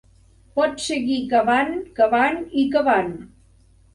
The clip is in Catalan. Pots seguir cavant, cavant i cavant.